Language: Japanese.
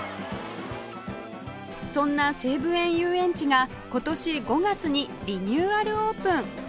そんな西武園ゆうえんちが今年５月にリニューアルオープン